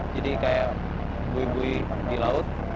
jadi kayak bui bui di laut